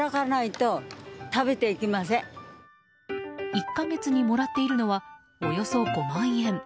１か月にもらっているのはおよそ５万円。